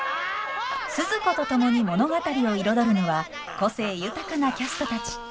スズ子と共に物語を彩るのは個性豊かなキャストたち。